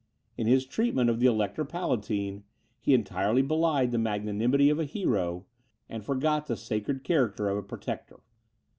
In his treatment of the Elector Palatine, he entirely belied the magnanimity of the hero, and forgot the sacred character of a protector.